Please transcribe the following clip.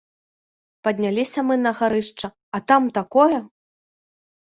Падняліся мы на гарышча, а там такое!